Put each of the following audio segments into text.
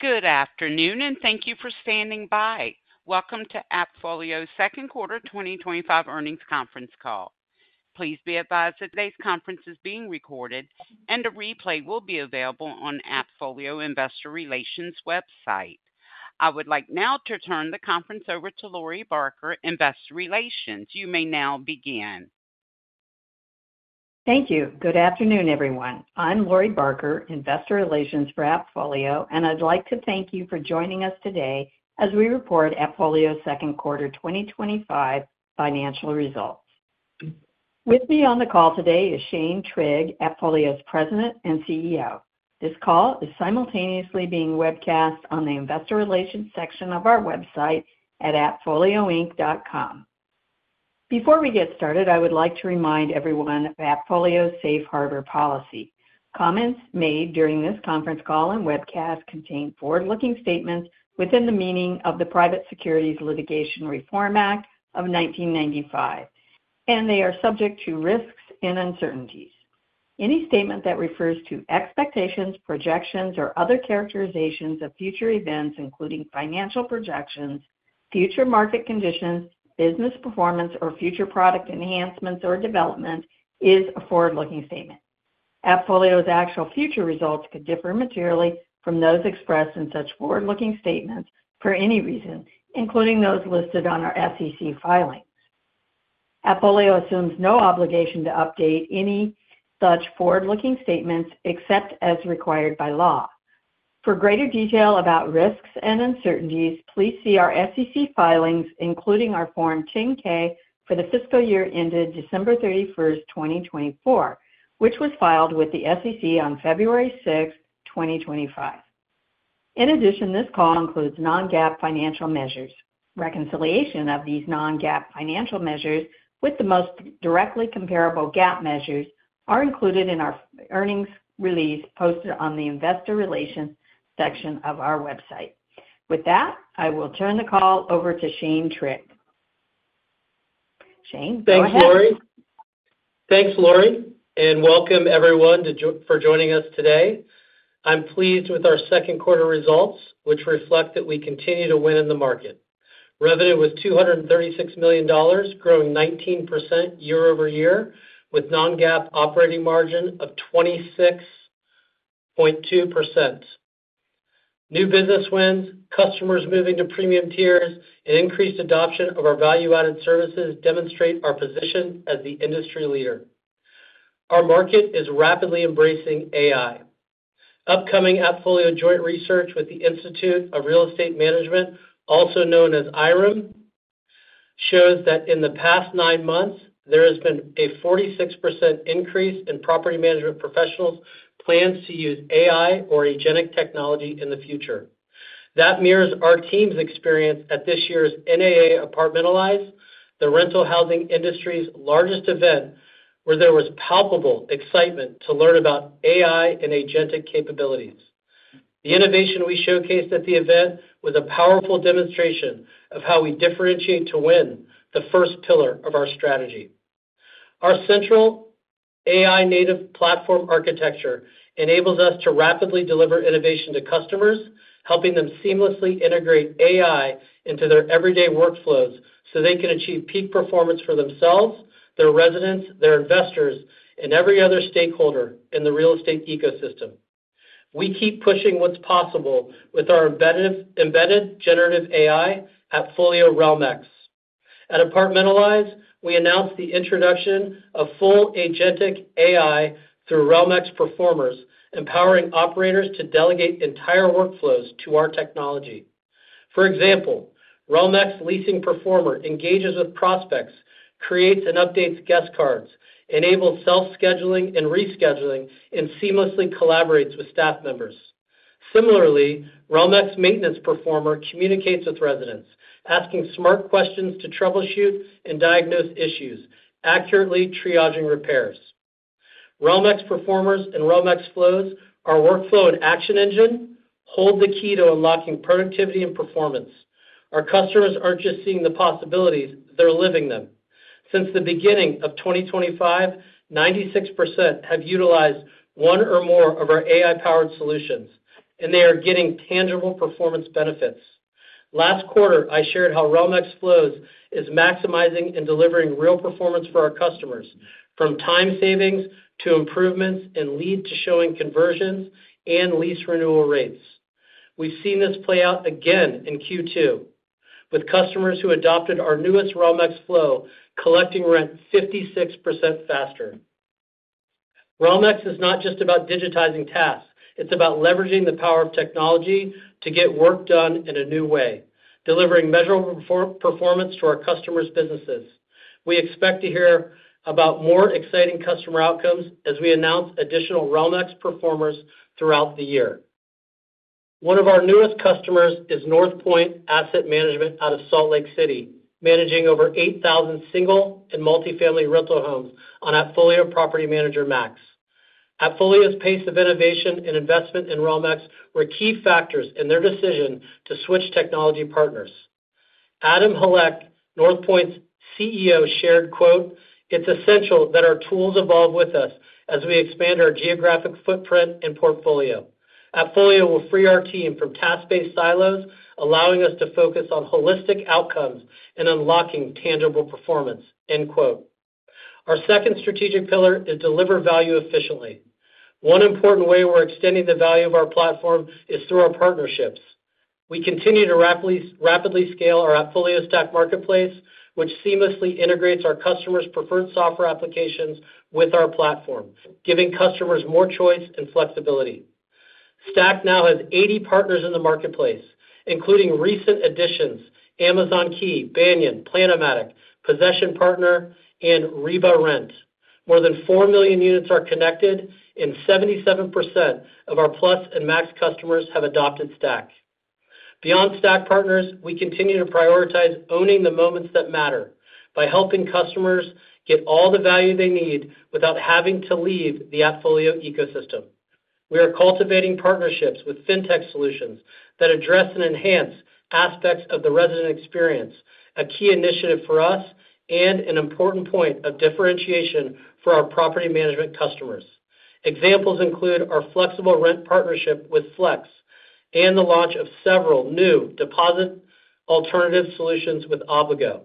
Good afternoon and thank you for standing by. Welcome to AppFolio's second quarter 2025 earnings conference call. Please be advised that today's conference is being recorded, and a replay will be available on the AppFolio Investor Relations website. I would like now to turn the conference over to Lori Barker, Investor Relations. You may now begin. Thank you. Good afternoon, everyone. I'm Lori Barker, Investor Relations for AppFolio, and I'd like to thank you for joining us today as we report AppFolio's second quarter 2025 financial results. With me on the call today is Shane Trigg, AppFolio's President and CEO. This call is simultaneously being webcast on the Investor Relations section of our website at appfolioinc.com. Before we get started, I would like to remind everyone of AppFolio's safe harbor policy. Comments made during this conference call and webcast contain forward-looking statements within the meaning of the Private Securities Litigation Reform Act of 1995, and they are subject to risks and uncertainties. Any statement that refers to expectations, projections, or other characterizations of future events, including financial projections, future market conditions, business performance, or future product enhancements or development, is a forward-looking statement. AppFolio's actual future results could differ materially from those expressed in such forward-looking statements for any reason, including those listed on our SEC filings. AppFolio assumes no obligation to update any such forward-looking statements except as required by law. For greater detail about risks and uncertainties, please see our SEC filings, including our Form 10-K for the fiscal year ended December 31, 2024, which was filed with the SEC on February 6, 2025. In addition, this call includes non-GAAP financial measures. Reconciliation of these non-GAAP financial measures with the most directly comparable GAAP measures are included in our earnings release posted on the Investor Relations section of our website. With that, I will turn the call over to Shane Trigg. Shane. Thanks, Lori, and welcome everyone for joining us today. I'm pleased with our second quarter results, which reflect that we continue to win in the market. Revenue was $236 million, growing 19% year-over-year, with a non-GAAP operating margin of 26.2%. New business wins, customers moving to premium tiers, and increased adoption of our value-added services demonstrate our position as the industry leader. Our market is rapidly embracing AI. Upcoming AppFolio joint research with the Institute of Real Estate Management, also known as IREM, shows that in the past nine months, there has been a 46% increase in property management professionals' plans to use AI or agentic technology in the future. That mirrors our team's experience at this year's NAA Apartmentalize, the rental housing industry's largest event, where there was palpable excitement to learn about AI and agentic capabilities. The innovation we showcased at the event was a powerful demonstration of how we differentiate to win the first pillar of our strategy. Our central AI-native platform architecture enables us to rapidly deliver innovation to customers, helping them seamlessly integrate AI into their everyday workflows so they can achieve peak performance for themselves, their residents, their investors, and every other stakeholder in the real estate ecosystem. We keep pushing what's possible with our embedded generative AI, AppFolio Realm-X. At Apartmentalize, we announced the introduction of full agentic AI through Realm-X Performers, empowering operators to delegate entire workflows to our technology. For example, Realm-X Leasing Performer engages with prospects, creates and updates guest cards, enables self-scheduling and rescheduling, and seamlessly collaborates with staff members. Similarly, Realm-X Maintenance Performer communicates with residents, asking smart questions to troubleshoot and diagnose issues, accurately triaging repairs. Realm-X Performers and Realm-X Flows, our workflow and action engine, hold the key to unlocking productivity and performance. Our customers aren't just seeing the possibilities; they're living them. Since the beginning of 2025, 96% have utilized one or more of our AI-powered solutions, and they are getting tangible performance benefits. Last quarter, I shared how Realm-X Flows is maximizing and delivering real performance for our customers, from time savings to improvements in lead-to-showing conversions and lease renewal rates. We've seen this play out again in Q2, with customers who adopted our newest Realm-X Flow collecting rent 56% faster. Realm-X is not just about digitizing tasks, it's about leveraging the power of technology to get work done in a new way, delivering measurable performance to our customers' businesses. We expect to hear about more exciting customer outcomes as we announce additional Realm-X Performers throughout the year. One of our newest customers is North Point Asset Management out of Salt Lake City, managing over 8,000 single and multifamily rental homes on AppFolio Property Manager Max. AppFolio's pace of innovation and investment in Realm-X were key factors in their decision to switch technology partners. Adam Haleck, Northpoint's CEO, shared, "It's essential that our tools evolve with us as we expand our geographic footprint and portfolio. AppFolio will free our team from task-based silos, allowing us to focus on holistic outcomes and unlocking tangible performance." Our second strategic pillar is to deliver value efficiently. One important way we're extending the value of our platform is through our partnerships. We continue to rapidly scale our AppFolio Stack Marketplace, which seamlessly integrates our customers' preferred software applications with our platform, giving customers more choice and flexibility. Stack now has 80 partners in the marketplace, including recent additions: Amazon Key, Banyan, Planomatic, Possession Partner, and Riba Rent. More than 4 million units are connected, and 77% of our Plus and Max customers have adopted Stack. Beyond Stack partners, we continue to prioritize owning the moments that matter by helping customers get all the value they need without having to leave the AppFolio ecosystem. We are cultivating partnerships with fintech solutions that address and enhance aspects of the resident experience, a key initiative for us and an important point of differentiation for our property management customers. Examples include our flexible rent partnership with Flex and the launch of several new deposit alternative solutions with Obligo.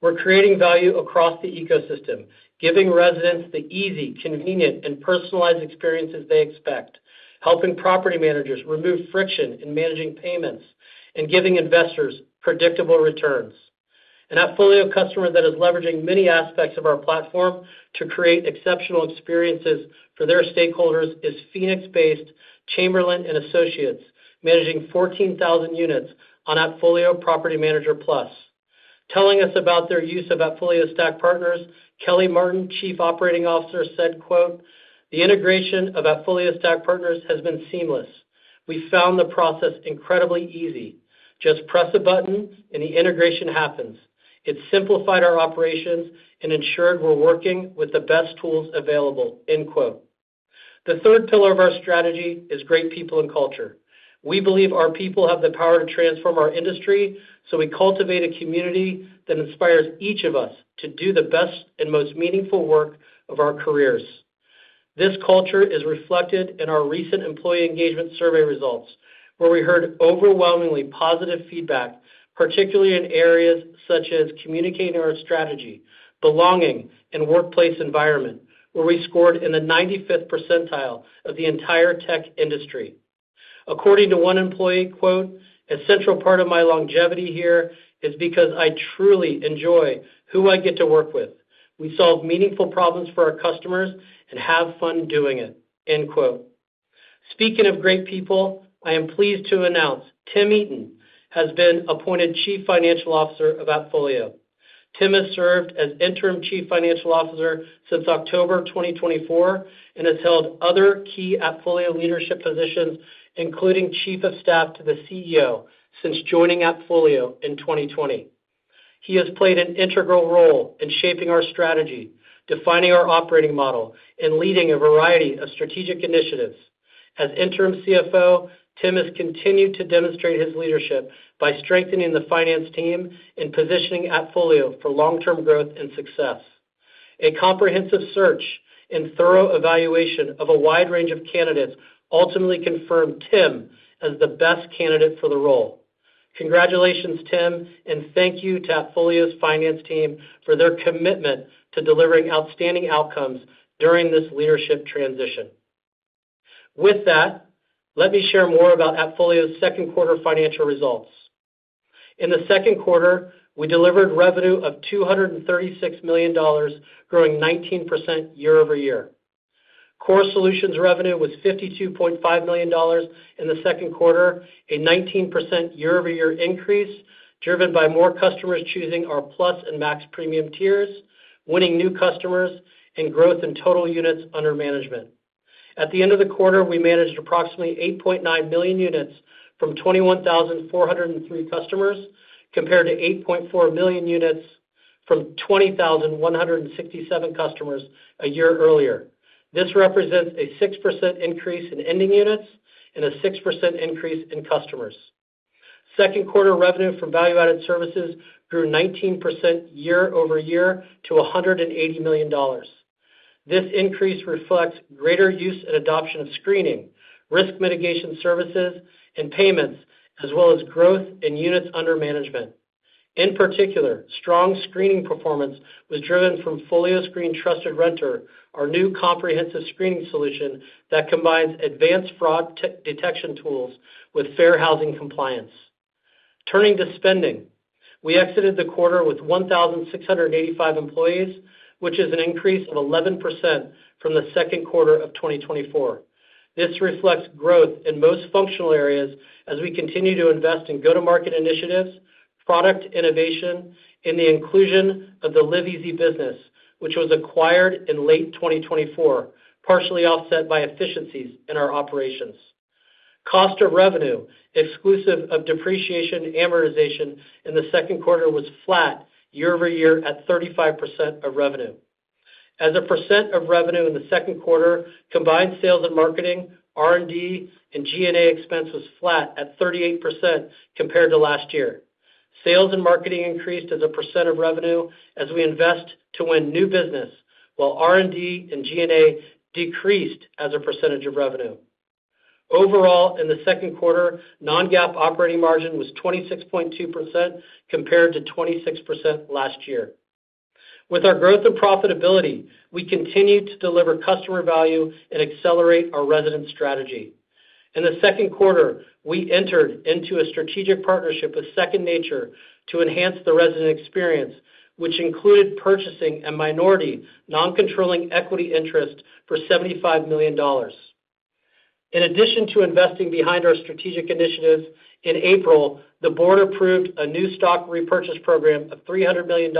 We're creating value across the ecosystem, giving residents the easy, convenient, and personalized experiences they expect, helping property managers remove friction in managing payments and giving investors predictable returns. An AppFolio customer that is leveraging many aspects of our platform to create exceptional experiences for their stakeholders is Phoenix-based Chamberlain and Associates, managing 14,000 units on AppFolio Property Manager Plus. Telling us about their use of AppFolio Stack Partners, Kelly Martin, Chief Operating Officer, said, "The integration of AppFolio Stack Partners has been seamless. We found the process incredibly easy. Just press a button and the integration happens. It simplified our operations and ensured we're working with the best tools available." The third pillar of our strategy is great people and culture. We believe our people have the power to transform our industry, so we cultivate a community that inspires each of us to do the best and most meaningful work of our careers. This culture is reflected in our recent employee engagement survey results, where we heard overwhelmingly positive feedback, particularly in areas such as communicating our strategy, belonging, and workplace environment, where we scored in the 95th percentile of the entire tech industry. According to one employee, "A central part of my longevity here is because I truly enjoy who I get to work with. We solve meaningful problems for our customers and have fun doing it." Speaking of great people, I am pleased to announce Tim Eaton has been appointed Chief Financial Officer of AppFolio. Tim has served as Interim Chief Financial Officer since October 2024 and has held other key AppFolio leadership positions, including Chief of Staff to the CEO, since joining AppFolio in 2020. He has played an integral role in shaping our strategy, defining our operating model, and leading a variety of strategic initiatives. As Interim CFO, Tim has continued to demonstrate his leadership by strengthening the finance team and positioning AppFolio for long-term growth and success. A comprehensive search and thorough evaluation of a wide range of candidates ultimately confirmed Tim as the best candidate for the role. Congratulations, Tim, and thank you to AppFolio's finance team for their commitment to delivering outstanding outcomes during this leadership transition. With that, let me share more about AppFolio's second quarter financial results. In the second quarter, we delivered revenue of $236 million, growing 19% year-over year. Core Solutions revenue was $52.5 million in the second quarter, a 19% year-over-year increase driven by more customers choosing our Plus and Max premium tiers, winning new customers, and growth in total units under management. At the end of the quarter, we managed approximately 8.9 million units from 21,403 customers, compared to 8.4 million units from 20,167 customers a year earlier. This represents a 6% increase in ending units and a 6% increase in customers. Second quarter revenue from value-added services grew 19% year-over year to $180 million. This increase reflects greater use and adoption of screening, risk mitigation services, and payments, as well as growth in units under management. In particular, strong screening performance was driven from Folioscreen Trusted Renter, our new comprehensive screening solution that combines advanced fraud detection tools with fair housing compliance. Turning to spending, we exited the quarter with 1,685 employees, which is an increase of 11% from the second quarter of 2024. This reflects growth in most functional areas as we continue to invest in go-to-market initiatives, product innovation, and the inclusion of the Live Easy business, which was acquired in late 2024, partially offset by efficiencies in our operations. Cost of revenue, exclusive of depreciation and amortization, in the second quarter was flat year-over-year at 35% of revenue. As a percent of revenue in the second quarter, combined sales and marketing, R&D, and G&A expense was flat at 38% compared to last year. Sales and marketing increased as a percent of revenue as we invest to win new business, while R&D and G&A decreased as a percentage of revenue. Overall, in the second quarter, non-GAAP operating margin was 26.2% compared to 26% last year. With our growth in profitability, we continue to deliver customer value and accelerate our resident strategy. In the second quarter, we entered into a strategic partnership with Second Nature to enhance the resident experience, which included purchasing a minority non-controlling equity interest for $75 million. In addition to investing behind our strategic initiatives, in April, the board approved a new stock repurchase program of $300 million,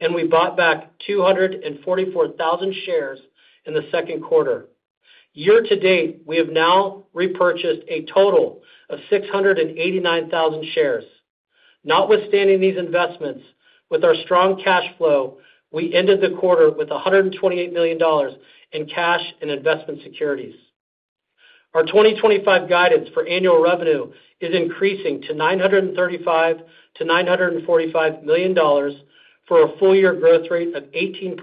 and we bought back 244,000 shares in the second quarter. Year to date, we have now repurchased a total of 689,000 shares. Notwithstanding these investments, with our strong cash flow, we ended the quarter with $128 million in cash and investment securities. Our 2025 guidance for annual revenue is increasing to $935 million-$945 million for a full-year growth rate of 18%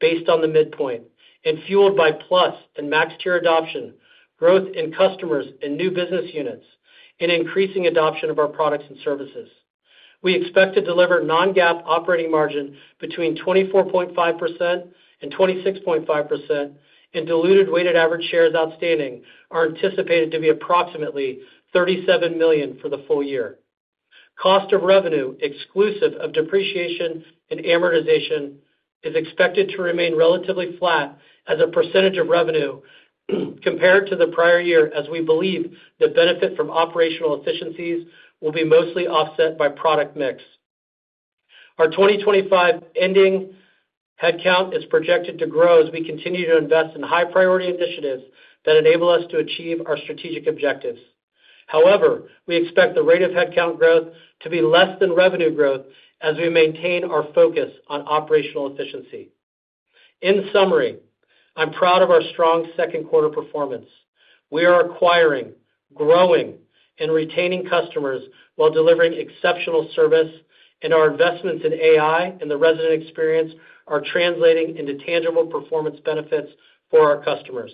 based on the midpoint and fueled by Plus and Max tier adoption, growth in customers and new business units, and increasing adoption of our products and services. We expect to deliver non-GAAP operating margin between 24.5% and 26.5%, and diluted weighted average shares outstanding are anticipated to be approximately 37 million for the full year. Cost of revenue, exclusive of depreciation and amortization, is expected to remain relatively flat as a percentage of revenue compared to the prior year, as we believe the benefit from operational efficiencies will be mostly offset by product mix. Our 2025 ending headcount is projected to grow as we continue to invest in high-priority initiatives that enable us to achieve our strategic objectives. However, we expect the rate of headcount growth to be less than revenue growth as we maintain our focus on operational efficiency. In summary, I'm proud of our strong second quarter performance. We are acquiring, growing, and retaining customers while delivering exceptional service, and our investments in AI and the resident experience are translating into tangible performance benefits for our customers.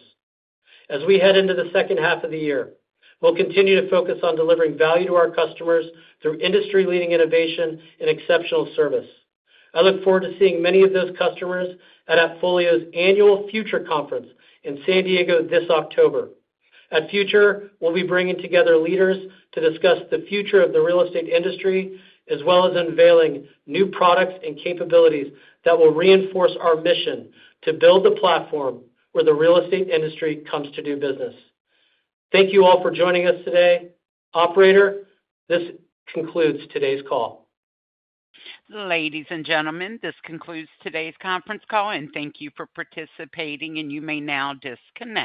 As we head into the second half of the year, we'll continue to focus on delivering value to our customers through industry-leading innovation and exceptional service. I look forward to seeing many of those customers at AppFolio's annual Future Conference in San Diego this October. At Future, we'll be bringing together leaders to discuss the future of the real estate industry, as well as unveiling new products and capabilities that will reinforce our mission to build the platform where the real estate industry comes to do business. Thank you all for joining us today. Operator, this concludes today's call. Ladies and gentlemen, this concludes today's conference call. Thank you for participating, and you may now disconnect.